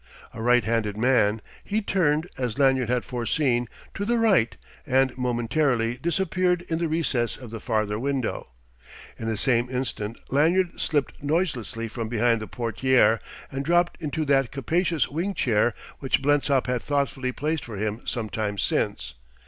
A right handed man, he turned, as Lanyard had foreseen, to the right, and momentarily disappeared in the recess of the farther window. In the same instant Lanyard slipped noiselessly from behind the portière, and dropped into that capacious wing chair which Blensop had thoughtfully placed for him some time since.